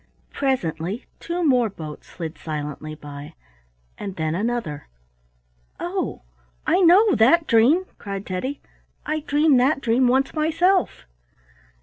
Presently two more boats slid silently by, and then another. "Oh, I know that dream!" cried Teddy; "I dreamed that dream once myself."